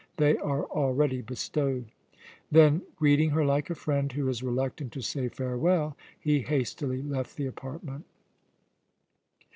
They are already bestowed." Then greeting her like a friend who is reluctant to say farewell, he hastily left the apartment.